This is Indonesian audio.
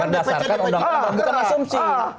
berdasarkan uu bukan asumsi